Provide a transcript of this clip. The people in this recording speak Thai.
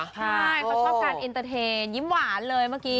ใช่เขาชอบการเอ็นเตอร์เทนยิ้มหวานเลยเมื่อกี้